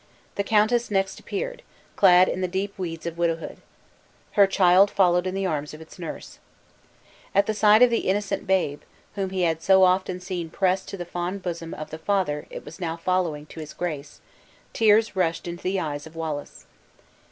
The countess next appeared, clad in the deep weeds of widowhood. Her child followed in the arms of its nurse. At the sight of the innocent babe, whom he had so often seen pressed to the fond bosom of the father it was now following to his grace, tears rushed into the eyes of Wallace.